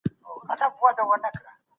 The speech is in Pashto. سلام خپرول مینه پیدا کوي.